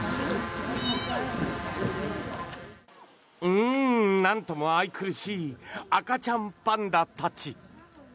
うーん、なんとも愛くるしい赤ちゃんパンダたち。